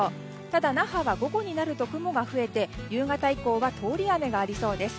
ただ那覇は午後になると雲が増えて夕方以降は通り雨がありそうです。